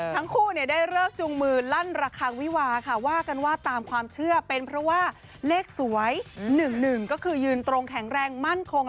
ทั้งคู่ได้เลิกจูงมือลั่นระคังวิวาค่ะว่ากันว่าตามความเชื่อเป็นเพราะว่าเลขสวย๑๑ก็คือยืนตรงแข็งแรงมั่นคง